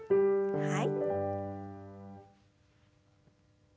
はい。